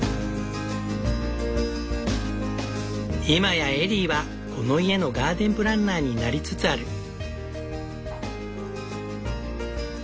今やエリーはこの家のガーデンプランナーになりつつある。